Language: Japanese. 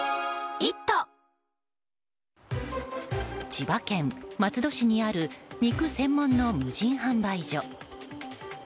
千葉県松戸市にある肉専門の無人販売所。